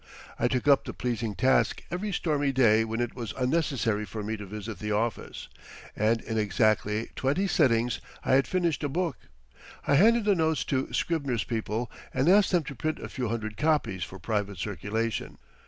I took up the pleasing task every stormy day when it was unnecessary for me to visit the office, and in exactly twenty sittings I had finished a book. I handed the notes to Scribner's people and asked them to print a few hundred copies for private circulation.